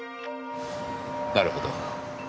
なるほど。